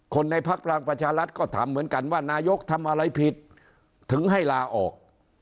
ในพักพลังประชารัฐก็ถามเหมือนกันว่านายกทำอะไรผิดถึงให้ลาออก